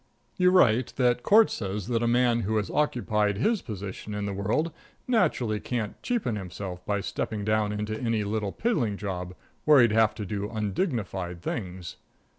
You write that Court says that a man who has occupied his position in the world naturally can't cheapen himself by stepping down into any little piddling job where he'd have to do undignified things.